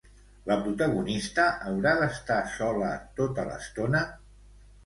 La protagonista haurà d'estar sola tota l'estona?